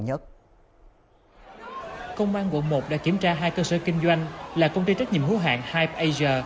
công an quận một đã kiểm tra hai cơ sở kinh doanh là công ty trách nhiệm hữu hạng hyp asia